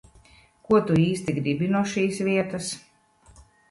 Ko tu īsti gribi no šīs vietas?